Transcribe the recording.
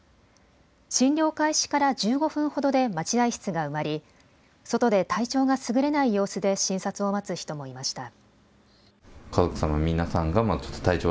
診療開始から１５分ほどで待合室が埋まり外で体調がすぐれない様子で診察を待つ人もいました。